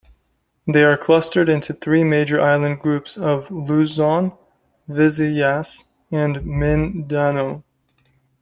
They are clustered into the three major island groups of Luzon, Visayas, and Mindanao.